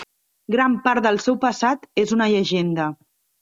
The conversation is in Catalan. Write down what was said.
Gran part del seu passat és una llegenda.